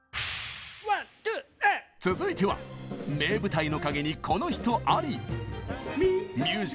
続いては名舞台の陰にこの人あり！